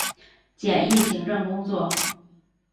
简易行政工作